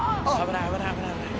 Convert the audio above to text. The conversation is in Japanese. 危ない危ない危ない。